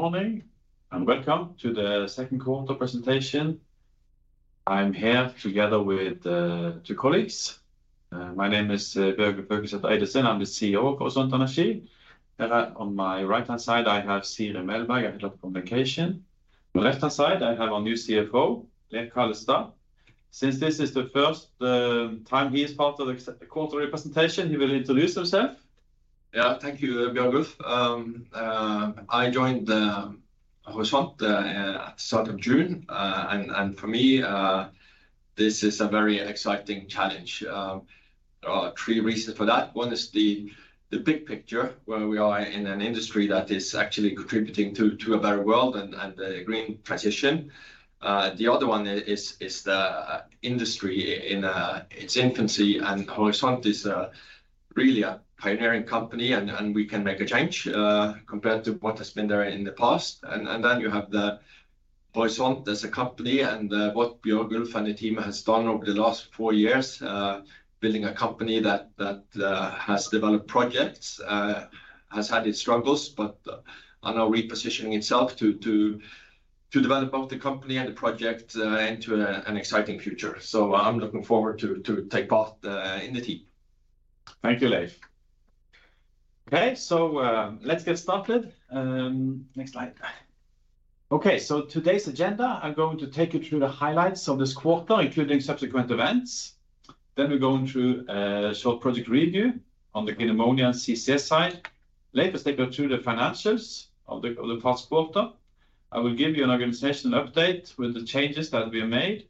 Good morning, and welcome to the second quarter presentation. I'm here together with two colleagues. My name is Bjørgulf Haukelidsæter Eidesen. I'm the CEO of Horisont Energi. On my right-hand side, I have Siri Melberg, our Head of Communication. On the left-hand side, I have our new CFO, Leiv Kallestad. Since this is the first time he is part of the quarterly presentation, he will introduce himself. Yeah. Thank you, Bjørgulf. I joined Horisont at the start of June. And for me, this is a very exciting challenge. There are three reasons for that. One is the big picture, where we are in an industry that is actually contributing to a better world and a green transition. The other one is the industry in its infancy, and Horisont is really a pioneering company, and we can make a change compared to what has been there in the past. And then you have the Horisont as a company and, what Bjørgulf and the team has done over the last four years, building a company that, has developed projects, has had its struggles, but are now repositioning itself to, develop both the company and the project, into an exciting future. So I'm looking forward to take part, in the team. Thank you, Leiv. Okay, so, let's get started. Next slide. Okay, so today's agenda, I'm going to take you through the highlights of this quarter, including subsequent events. Then we're going through a short project review on the clean ammonia and CCS side. Leiv will take us through the financials of the first quarter. I will give you an organizational update with the changes that we have made,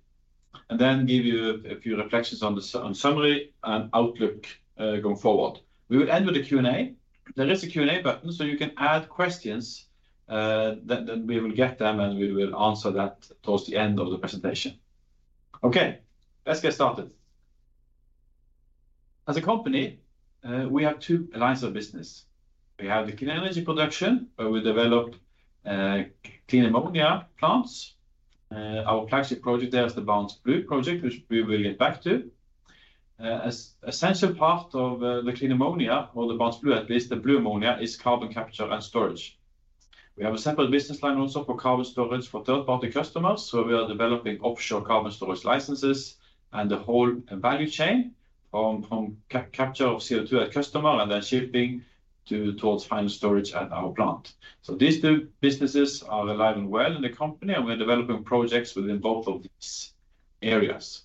and then give you a few reflections on summary and outlook, going forward. We will end with a Q&A. There is a Q&A button, so you can add questions, then we will get them, and we will answer that towards the end of the presentation. Okay, let's get started. As a company, we have two lines of business. We have the clean energy production, where we develop clean ammonia plants. Our flagship project there is the Barents Blue project, which we will get back to. An essential part of the clean ammonia or the Barents Blue, at least the blue ammonia, is carbon capture and storage. We have a separate business line also for carbon storage for third-party customers, so we are developing offshore carbon storage licenses and the whole value chain from capture of CO2 at customer, and then shipping towards final storage at our plant. So these two businesses are alive and well in the company, and we're developing projects within both of these areas.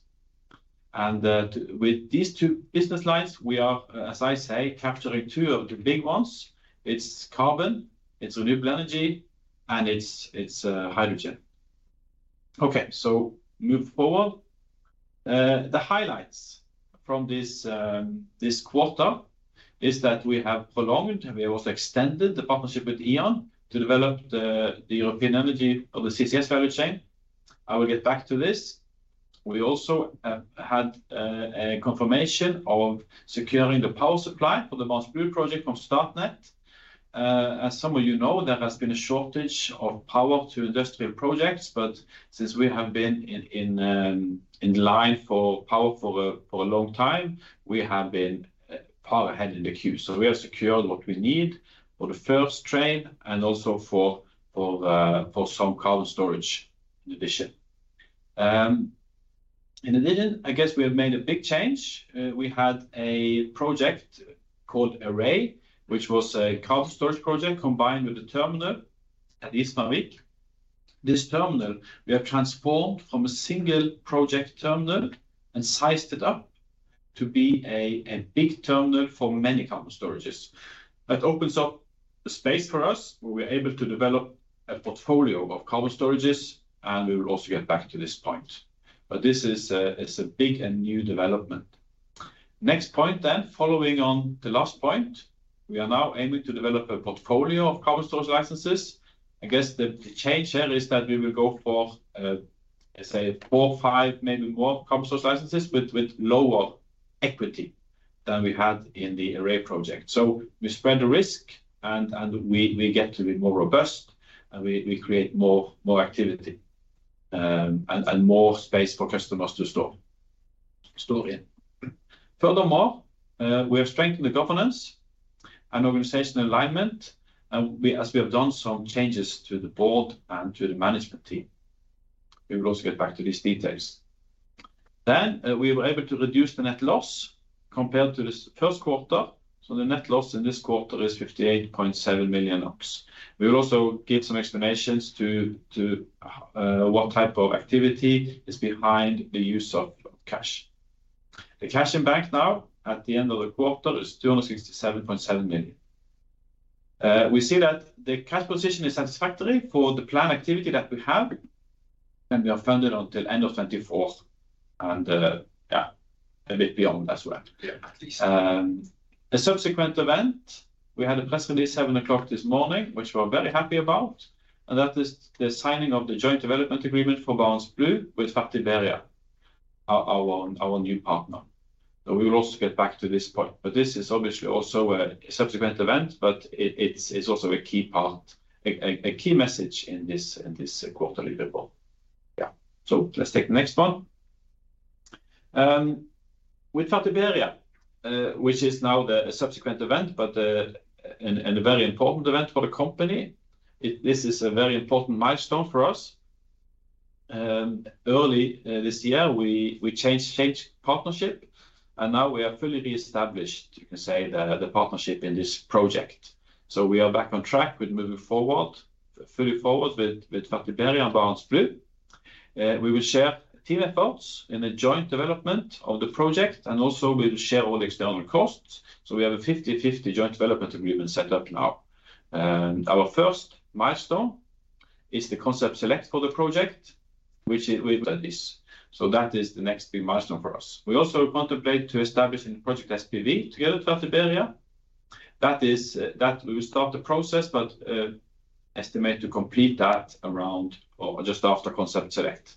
With these two business lines, we are, as I say, capturing two of the big ones. It's carbon, it's renewable energy, and it's hydrogen. Okay, so move forward. The highlights from this quarter is that we have prolonged, and we also extended the partnership with E.ON to develop the European energy of the CCS value chain. I will get back to this. We also had a confirmation of securing the power supply for the Barents Blue project from Statnett. As some of you know, there has been a shortage of power to industrial projects, but since we have been in line for power for a long time, we have been power ahead in the queue. So we have secured what we need for the first train and also for some carbon storage in addition. In addition, I guess we have made a big change. We had a project called Errai, which was a carbon storage project combined with the terminal at Gismarvik. This terminal, we have transformed from a single project terminal and sized it up to be a big terminal for many carbon storages. That opens up the space for us, where we're able to develop a portfolio of carbon storages, and we will also get back to this point. But this is a big and new development. Next point then, following on the last point, we are now aiming to develop a portfolio of carbon storage licenses. I guess the change here is that we will go for, let's sayfour, five, maybe more carbon storage licenses, but with lower equity than we had in the Errai project. So we spread the risk, and we get to be more robust, and we create more activity, and more space for customers to store in. Furthermore, we have strengthened the governance and organizational alignment, and we, as we have done some changes to the board and to the management team. We will also get back to these details. Then, we were able to reduce the net loss compared to this first quarter. So the net loss in this quarter is 58.7 million. We will also give some explanations to what type of activity is behind the use of cash. The cash in bank now, at the end of the quarter, is 267.7 million. We see that the cash position is satisfactory for the planned activity that we have, and we are funded until end of 2024 and, yeah, a bit beyond as well. Yeah, at least. The subsequent event, we had a press release 7:00 A.M. this morning, which we're very happy about, and that is the signing of the joint development agreement for Barents Blue with Vår Energi, our new partner. So we will also get back to this point, but this is obviously also a subsequent event, but it's also a key part, a key message in this quarterly report. Yeah. So let's take the next one. With Fertiberia, which is now the subsequent event, but and a very important event for the company. This is a very important milestone for us. Early this year, we changed partnership, and now we are fully reestablished, you can say, the partnership in this project. So we are back on track with moving forward, fully forward, with Vår Energi and Barents Blue. We will share team efforts in the joint development of the project, and also we will share all the external costs. So we have a 50/50 joint development agreement set up now. And our first milestone is the concept select for the project, which we did this. So that is the next big milestone for us. We also contemplate to establishing Project SPV together with Vår Energi. That is, that we will start the process, but estimate to complete that around or just after concept select.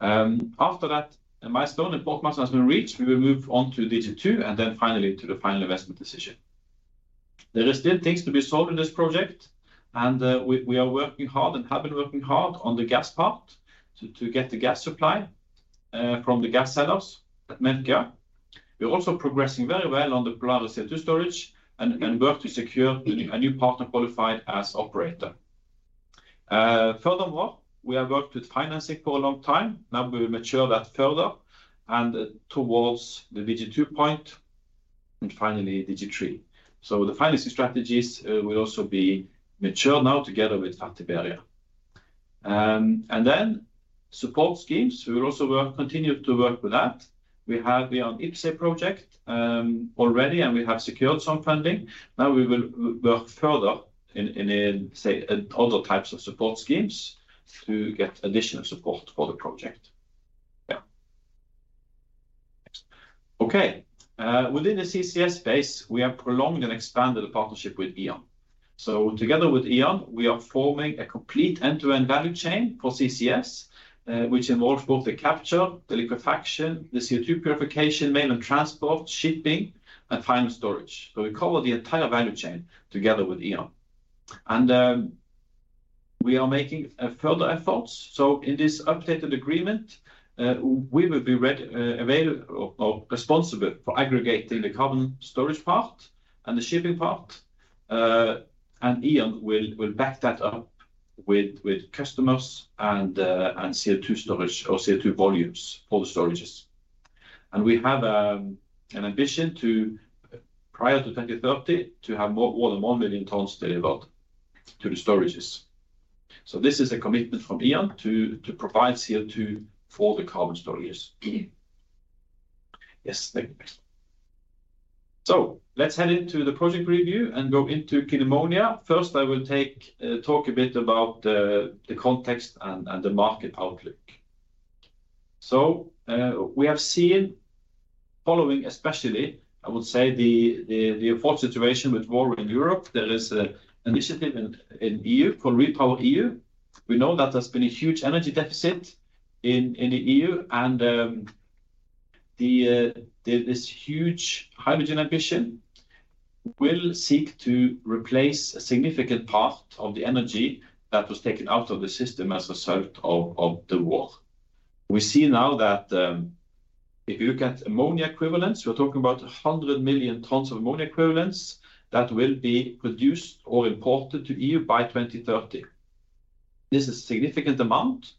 After that milestone, important milestone has been reached, we will move on to DG 2 and then finally to the final investment decision. There are still things to be solved in this project, and we are working hard and have been working hard on the gas part to get the gas supply from the gas sellers at Melkøya. We are also progressing very well on the Polaris CO₂ storage and work to secure a new partner qualified as operator. Furthermore, we have worked with financing for a long time. Now we will mature that further and towards the DG2, and finally, DG3. So the financing strategies will also be mature now together with Fertiberia. And then support schemes, we will also work, continue to work with that. We have the IPCEI project already, and we have secured some funding. Now we will work further in, say, other types of support schemes to get additional support for the project. Yeah. Okay, within the CCS space, we have prolonged and expanded the partnership with E.ON. So together with E.ON, we are forming a complete end-to-end value chain for CCS, which involves both the capture, the liquefaction, the CO₂ purification, inland transport, shipping, and final storage. So we cover the entire value chain together with E.ON. And we are making further efforts. So in this updated agreement, we will be ready available or responsible for aggregating the carbon storage part and the shipping part. And E.ON will back that up with customers and CO₂ volumes for the storages. We have an ambition, prior to 2030, to have more than 1 million tons delivered to the storages. So this is a commitment from E.ON to provide CO₂ for the carbon storages. Yes, thank you. So let's head into the project review and go into clean ammonia. First, I will talk a bit about the context and the market outlook. So we have seen, following, especially, I would say, the unfortunate situation with war in Europe, there is an initiative in EU called REPowerEU. We know that there's been a huge energy deficit in the EU, and this huge hydrogen ambition will seek to replace a significant part of the energy that was taken out of the system as a result of the war. We see now that, if you look at ammonia equivalents, we are talking about 100 million tons of ammonia equivalents that will be produced or imported to EU by 2030. This is a significant amount,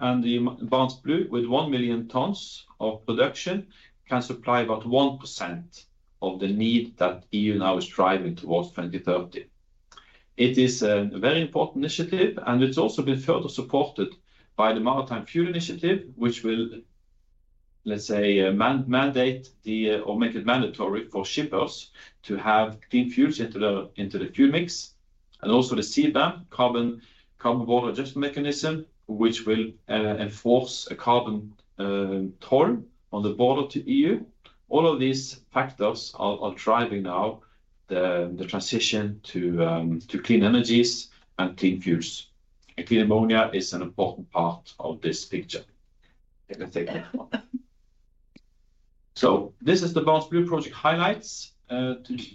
and the Barents Blue, with 1 million tons of production, can supply about 1% of the need that EU now is striving towards 2030. It is a very important initiative, and it's also been further supported by the Maritime Fuel Initiative, which will, let's say, mandate the, or make it mandatory for shippers to have clean fuels into the fuel mix, and also the CBAM, Carbon Border Adjustment Mechanism, which will enforce a carbon toll on the border to EU. All of these factors are driving now the transition to clean energies and clean fuels, and clean ammonia is an important part of this picture. You can take that one. So this is the Barents Blue project highlights.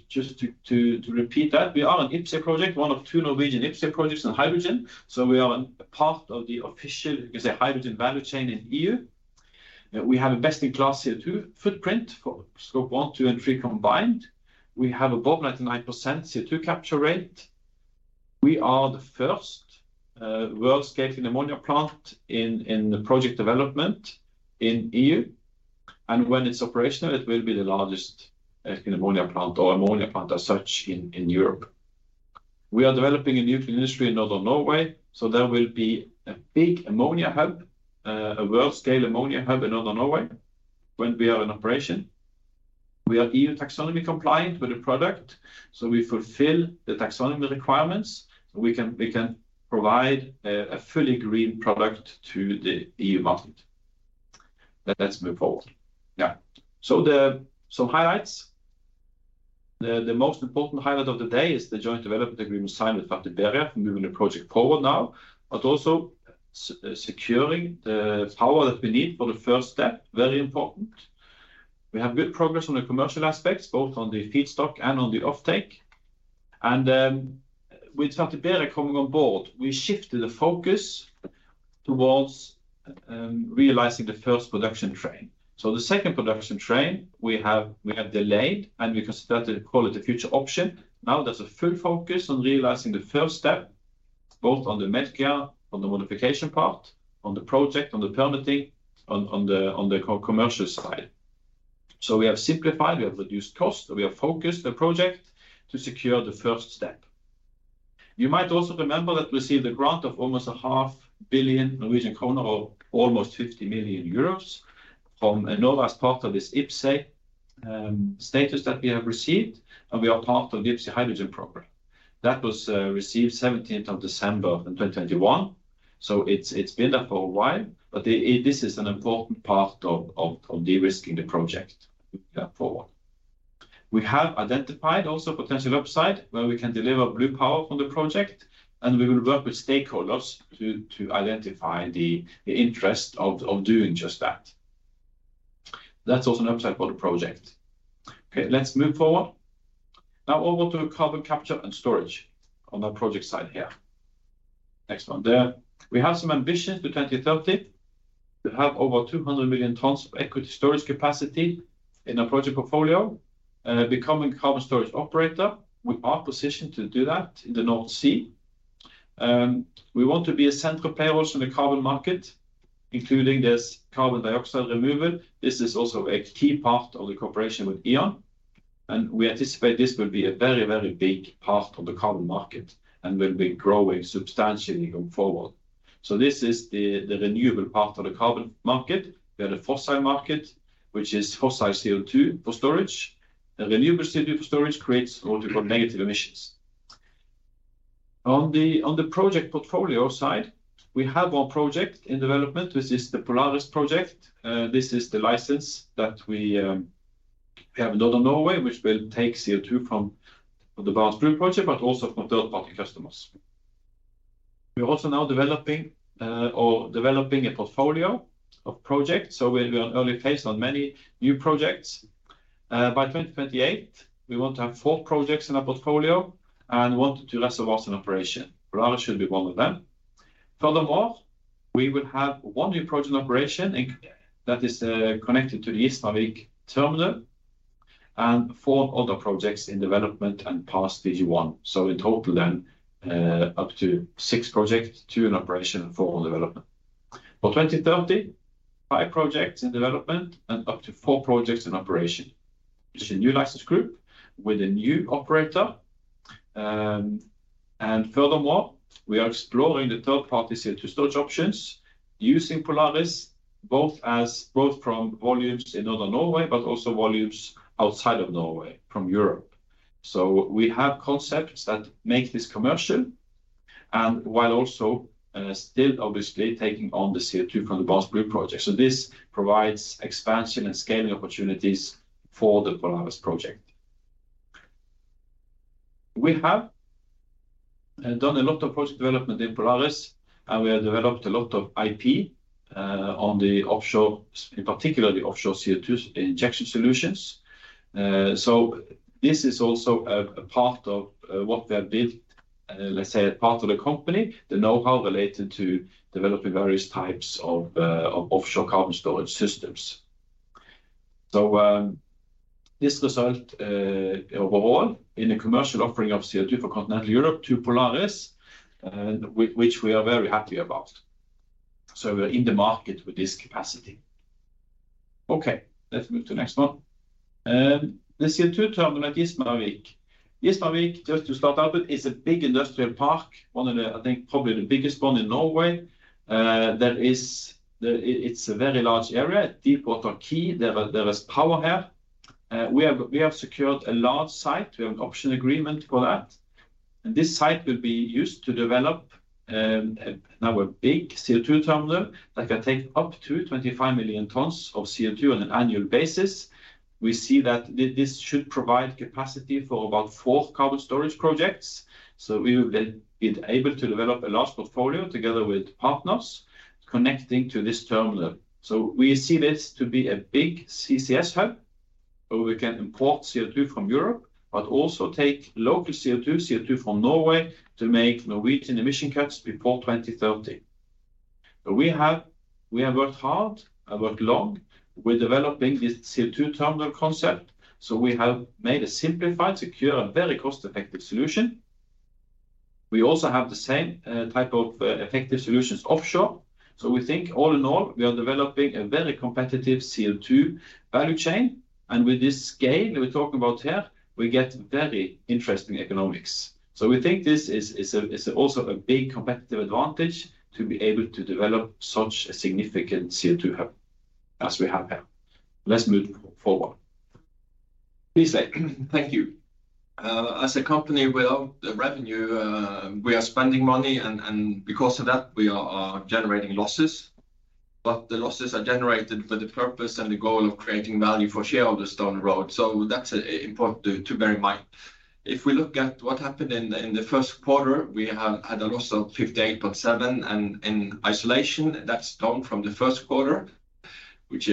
Just to repeat that, we are an IPCEI project, one of 2 Norwegian IPCEI projects in hydrogen. So we are a part of the official, you can say, hydrogen value chain in EU. We have a best-in-class CO₂ footprint for Scope 1, 2, and 3 combined. We have above 99% CO₂ capture rate. We are the first world-scale clean ammonia plant in the project development in EU, and when it's operational, it will be the largest clean ammonia plant or ammonia plant as such in Europe. We are developing a new clean industry in Northern Norway, so there will be a big ammonia hub, a world-scale ammonia hub in Northern Norway when we are in operation. We are EU taxonomy compliant with the product, so we fulfill the taxonomy requirements, and we can provide a fully green product to the EU market. Let's move forward. Yeah. So highlights. The most important highlight of the day is the joint development agreement signed with Vår Energi, moving the project forward now, but also securing the power that we need for the first step, very important. We have good progress on the commercial aspects, both on the feedstock and on the offtake. And with Equinor coming on board, we shifted the focus towards realizing the first production train. So the second production train, we have, we have delayed, and we can start to call it a future option. Now there's a full focus on realizing the first step, both on the Melkøya, on the modification part, on the project, on the permitting, on, on the, on the co-commercial side. So we have simplified, we have reduced cost, and we have focused the project to secure the first step. You might also remember that we received a grant of almost 500 million Norwegian kroner, or almost 50 million euros, from Enova as part of this IPCEI status that we have received, and we are part of the IPCEI hydrogen program. That was received seventeenth of December 2021, so it's been there for a while, but this is an important part of de-risking the project forward. We have identified also potential upside, where we can deliver blue power from the project, and we will work with stakeholders to identify the interest of doing just that. That's also an upside for the project. Okay, let's move forward. Now over to carbon capture and storage on the project side here. Next one. There, we have some ambition to 2030, to have over 200 million tons of equity storage capacity in our project portfolio, becoming carbon storage operator. We are positioned to do that in the North Sea. We want to be a central player also in the carbon market, including this carbon dioxide removal. This is also a key part of the cooperation with E.ON, and we anticipate this will be a very, very big part of the carbon market and will be growing substantially going forward. So this is the renewable part of the carbon market. We have a fossil market, which is fossil CO2 for storage. The renewable CO2 for storage creates what we call negative emissions. On the project portfolio side, we have one project in development, which is the Polaris project. This is the license that we have in Northern Norway, which will take CO2 from the Barents Blue project, but also from third-party customers. We are also now developing a portfolio of projects, so we'll be on early phase on many new projects. By 2028, we want to have four projects in our portfolio and one to two of those in operation. Polaris should be one of them. Furthermore, we will have one new project in operation inc... That is connected to the Gismarvik terminal, and four other projects in development and past Stage 1. So in total then, up to six projects, twpo in operation and four in development. For 2030, five projects in development and up to four projects in operation. It's a new license group with a new operator. And furthermore, we are exploring the third-party CO2 storage options using Polaris, both from volumes in Northern Norway, but also volumes outside of Norway, from Europe. So we have concepts that make this commercial, and while also still obviously taking on the CO2 from the Barents Blue project. So this provides expansion and scaling opportunities for the Polaris project. We have done a lot of project development in Polaris, and we have developed a lot of IP on the offshore, in particular, the offshore CO2 injection solutions. So this is also a part of what we have built, let's say, a part of the company, the know-how related to developing various types of offshore carbon storage systems. So, this result overall in the commercial offering of CO2 for Continental Europe to Polaris, which we are very happy about. So we are in the market with this capacity. Okay, let's move to the next one. The CO2 terminal at Gismarvik. Gismarvik, just to start out with, is a big industrial park, one of the, I think, probably the biggest one in Norway. It's a very large area, deepwater quay. There was power here. We have secured a large site. We have an option agreement for that. This site will be used to develop, now a big CO2 terminal that can take up to 25 million tons of CO2 on an annual basis. We see that this should provide capacity for about four carbon storage projects, so we will be able to develop a large portfolio together with partners connecting to this terminal. So we see this to be a big CCS hub, where we can import CO2 from Europe, but also take local CO2, CO2 from Norway, to make Norwegian emission cuts before 2030. We have worked hard and worked long with developing this CO2 terminal concept, so we have made a simplified, secure, and very cost-effective solution. We also have the same type of effective solutions offshore. So we think all in all, we are developing a very competitive CO2 value chain, and with this scale that we talk about here, we get very interesting economics. So we think this is also a big competitive advantage to be able to develop such a significant CO2 hub as we have here. Let's move forward. Please say. Thank you. As a company without the revenue, we are spending money, and because of that, we are generating losses. But the losses are generated for the purpose and the goal of creating value for shareholders down the road. So that's important to bear in mind. If we look at what happened in the first quarter, we have had a loss of 58.7, and in isolation, that's down from the first quarter.... which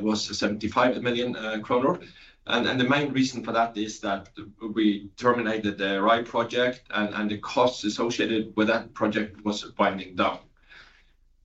was 75 million kroner. The main reason for that is that we terminated the Errai project, and the costs associated with that project was winding down.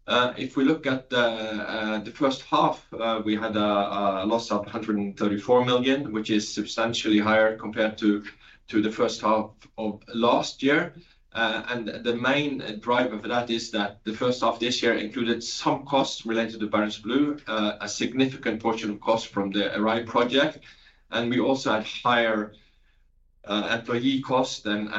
If we look at the first half, we had a loss of 134 million, which is substantially higher compared to the first half of last year. The main driver for that is that the first half of this year included some costs related to Barents Blue, a significant portion of costs from the Errai project, and we also had higher employee costs and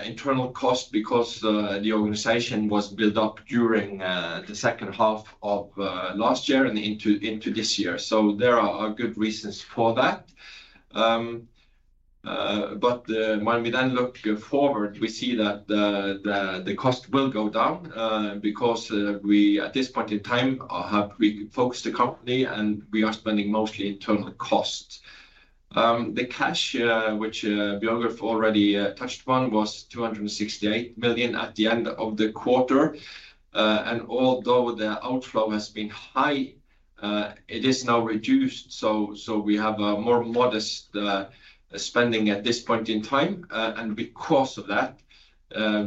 internal costs because the organization was built up during the second half of last year and into this year. So there are good reasons for that. But when we then look forward, we see that the cost will go down, because we, at this point in time, have refocused the company, and we are spending mostly internal costs. The cash, which Bjørgulf already touched upon, was 268 million at the end of the quarter. And although the outflow has been high, it is now reduced, so we have a more modest spending at this point in time. And because of that,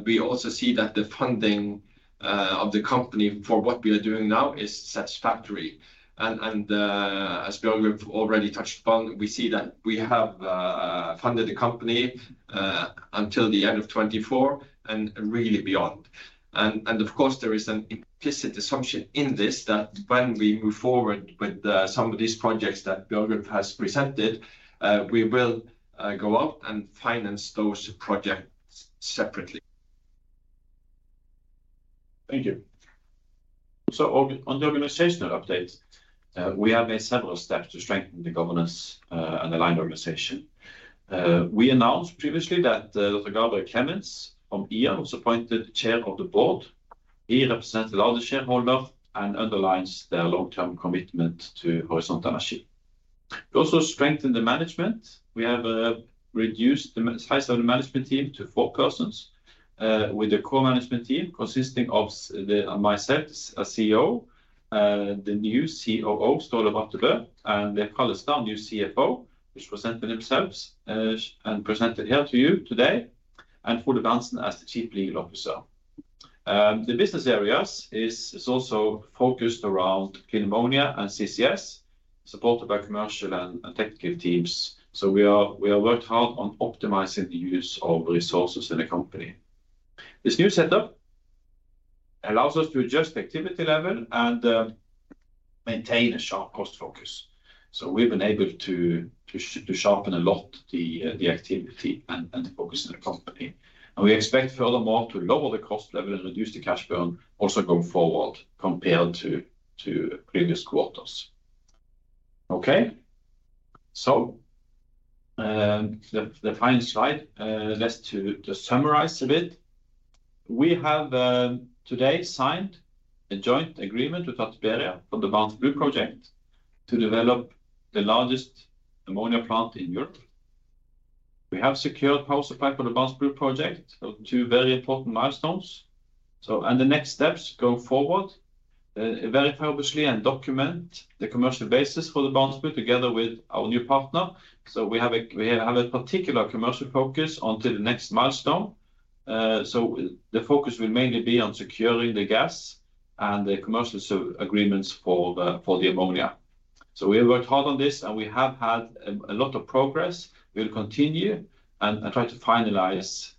we also see that the funding of the company for what we are doing now is satisfactory. As Bjørgulf already touched upon, we see that we have funded the company until the end of 2024 and really beyond. And of course, there is an implicit assumption in this that when we move forward with some of these projects that Bjørgulf has presented, we will go out and finance those projects separately. Thank you. So, on the organizational update, we have made several steps to strengthen the governance and align the organization. We announced previously that Gabriël Clemens from E.ON was appointed chair of the board. He represents the largest shareholder and underlines their long-term commitment to Horisont Energi. We also strengthened the management. We have reduced the size of the management team to four persons, with the core management team consisting of myself as CEO, the new COO, Ståle Brattebø, and Leiv Kallestad, new CFO, which presented themselves and presented here to you today, and Gude Hansen as the Chief Legal Officer. The business areas is also focused around clean ammonia and CCS, supported by commercial and technical teams. So we are, we have worked hard on optimizing the use of resources in the company. This new setup allows us to adjust the activity level and maintain a sharp cost focus. So we've been able to sharpen a lot the activity and the focus in the company. And we expect, furthermore, to lower the cost level and reduce the cash burn, also going forward compared to previous quarters. Okay. So the final slide just to summarize a bit. We have today signed a joint agreement with TotalEnergies for the Barents Blue project to develop the largest ammonia plant in Europe. We have secured power supply for the Barents Blue project, so two very important milestones. And the next steps going forward verify obviously and document the commercial basis for the Barents Blue together with our new partner. So we have a particular commercial focus onto the next milestone. So the focus will mainly be on securing the gas and the commercial agreements for the ammonia. So we have worked hard on this, and we have had a lot of progress. We'll continue and try to finalize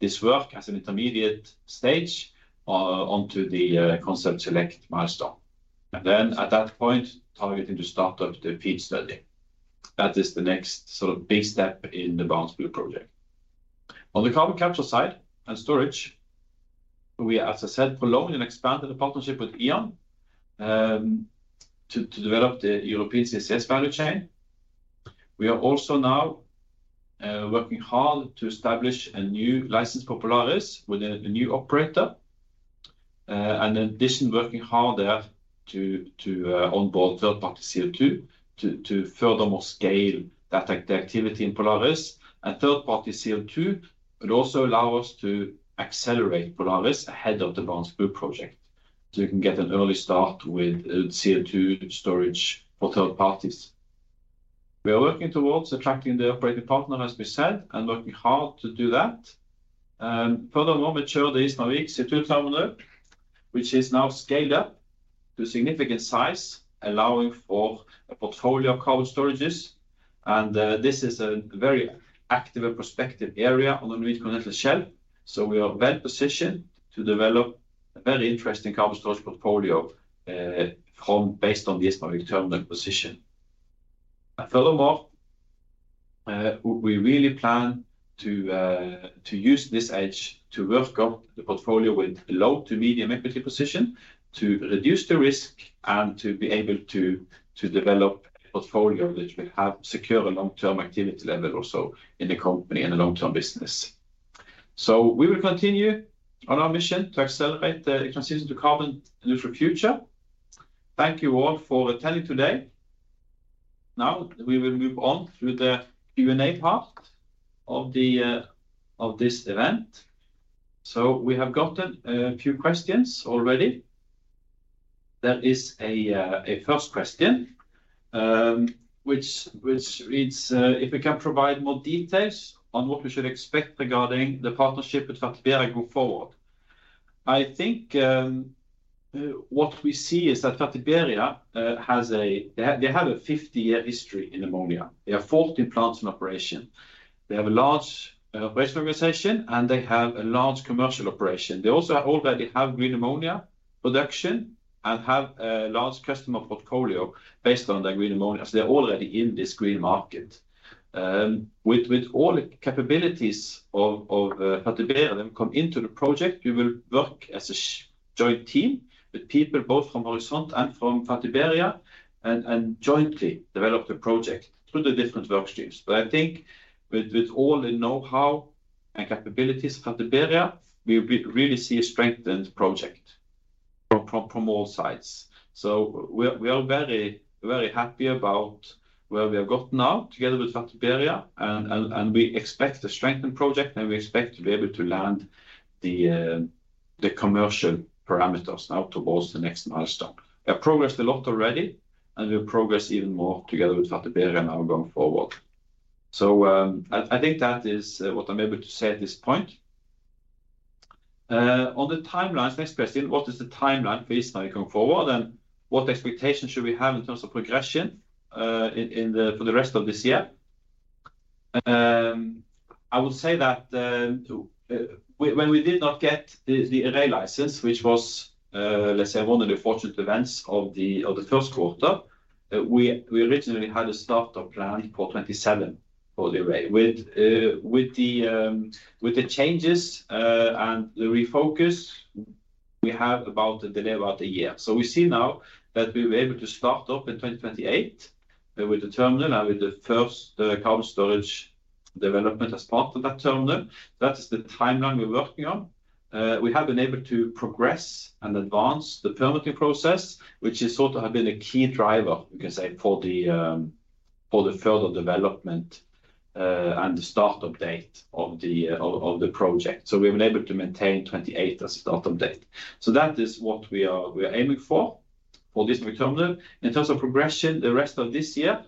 this work as an intermediate stage onto the concept select milestone. And then at that point, targeting to start up the FEED study. That is the next sort of big step in the Barents Blue project. On the carbon capture side and storage, we, as I said, prolonged and expanded the partnership with E.ON to develop the European CCS value chain. We are also now working hard to establish a new license for Polaris with a new operator. And in addition, working hard there to onboard third-party CO2, to furthermore scale that the activity in Polaris. Third-party CO2 will also allow us to accelerate Polaris ahead of the Barents Blue project, so we can get an early start with CO2 storage for third parties. We are working towards attracting the operating partner, as we said, and working hard to do that. Furthermore, mature the Gismarvik CO2 terminal, which is now scaled up to significant size, allowing for a portfolio of carbon storages. And this is a very active and prospective area on the Norwegian shelf, so we are well positioned to develop a very interesting carbon storage portfolio, from based on the Gismarvik terminal position. Furthermore, we really plan to use this edge to work on the portfolio with low to medium equity position, to reduce the risk, and to be able to develop a portfolio which will have secure and long-term activity level also in the company and the long-term business. So we will continue on our mission to accelerate the transition to carbon neutral future. Thank you all for attending today. Now, we will move on to the Q&A part of this event. So we have gotten a few questions already. There is a first question, which reads: "If we can provide more details on what we should expect regarding the partnership with Fertiberia going forward?" I think, what we see is that Fertiberia has -- they have a 50-year history in ammonia. They have 14 plants in operation. They have a large base organization, and they have a large commercial operation. They also already have green ammonia production and have a large customer portfolio based on their green ammonia. So they're already in this green market. With all the capabilities of Fertiberia, them come into the project, we will work as a joint team with people both from Horisont and from Fertiberia, and jointly develop the project through the different work streams. But I think with all the know-how and capabilities of Fertiberia, we really see a strengthened project from all sides. So we are, we are very, very happy about where we have gotten now, together with Fertiberia, and we expect a strengthened project, and we expect to be able to land the commercial parameters now towards the next milestone. We have progressed a lot already, and we'll progress even more together with Fertiberia now going forward. So, I think that is what I'm able to say at this point. On the timelines, next question: "What is the timeline for Errai going forward, and what expectations should we have in terms of progression for the rest of this year?" I would say that to... When we did not get the Errai license, which was, let's say, one of the fortunate events of the first quarter, we originally had a startup plan for 2027 for the Errai. With the changes and the refocus, we have about a delay about a year. So we see now that we were able to start up in 2028, with the terminal and with the first carbon storage development as part of that terminal. That is the timeline we're working on. We have been able to progress and advance the permitting process, which is sort of have been a key driver, you can say, for the further development and the start-up date of the project. So we've been able to maintain 28 as a start-up date. So that is what we are aiming for for this new terminal. In terms of progression, the rest of this year,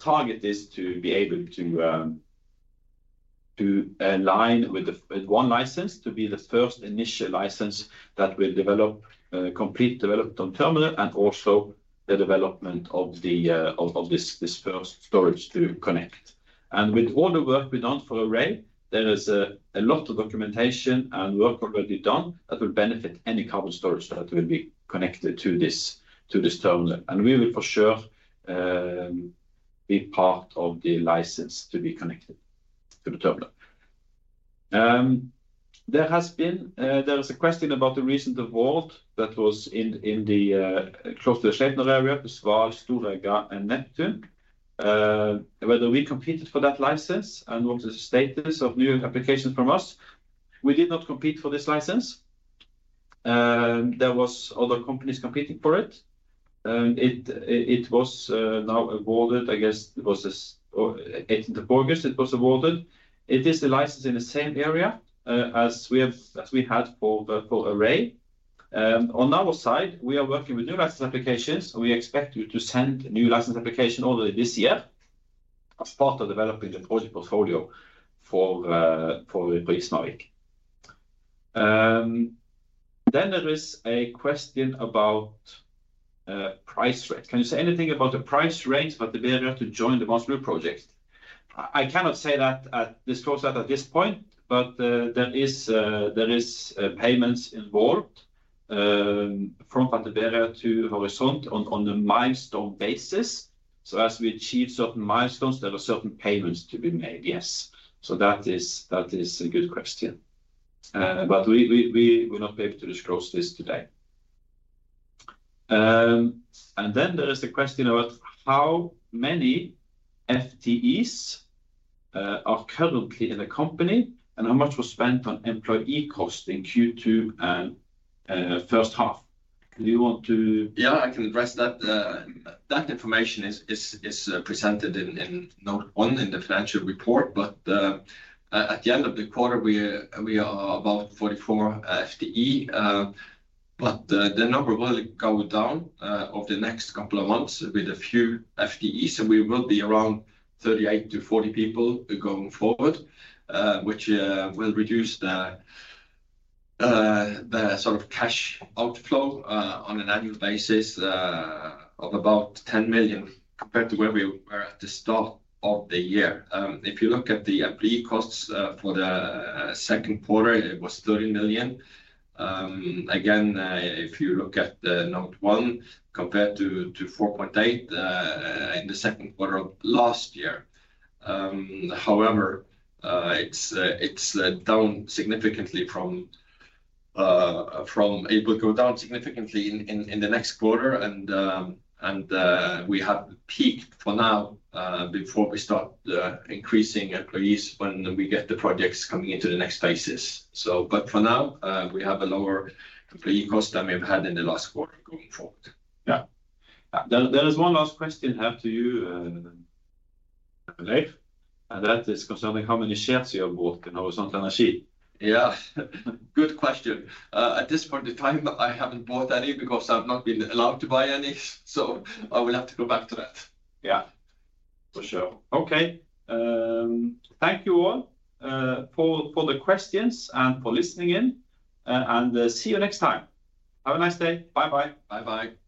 target is to be able to align with one license, to be the first initial license that will develop complete development on terminal, and also the development of this first storage to connect. And with all the work we've done for Errai, there is a lot of documentation and work already done that will benefit any carbon storage that will be connected to this terminal. And we will, for sure, be part of the license to be connected to the terminal. There has been... There is a question about the recent award that was in the close to the Sleipner area, the Sval, Storegga and Neptune, whether we competed for that license and what is the status of new applications from us? We did not compete for this license. There was other companies competing for it, and it was now awarded, I guess it was this eighth of August, it was awarded. It is a license in the same area as we have, as we had for the Errai. On our side, we are working with new license applications, and we expect to send new license application already this year, as part of developing the project portfolio for Gismarvik. Then there is a question about price range: "Can you say anything about the price range for the vendor to join the Barents Blue project?" I cannot say that at this close, at this point, but there is payments involved from Fertiberia to Horisont on a milestone basis. So as we achieve certain milestones, there are certain payments to be made. Yes. So that is a good question. But we're not able to disclose this today. And then there is a question about how many FTEs are currently in the company, and how much was spent on employee cost in Q2 and first half. Do you want to- Yeah, I can address that. That information is presented in note 1 in the financial report, but at the end of the quarter, we are about 44 FTE. But the number will go down over the next couple of months with a few FTEs, so we will be around 38-40 people going forward, which will reduce the sort of cash outflow on an annual basis of about 10 million, compared to where we were at the start of the year. If you look at the employee costs for the second quarter, it was 13 million. Again, if you look at the Note 1, compared to 4.8 in the second quarter of last year. However, it's down significantly. It will go down significantly in the next quarter, and we have peaked for now before we start increasing employees when we get the projects coming into the next phases. So, but for now, we have a lower employee cost than we've had in the last quarter going forward. Yeah. There is one last question I have to you, Leiv, and that is concerning how many shares you have bought in Horisont Energi? Yeah, good question. At this point in time, I haven't bought any because I've not been allowed to buy any, so I will have to go back to that. Yeah, for sure. Okay. Thank you all for the questions and for listening in, and see you next time. Have a nice day. Bye-bye. Bye-bye.